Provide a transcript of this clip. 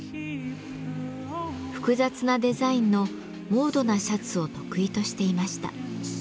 複雑なデザインのモードなシャツを得意としていました。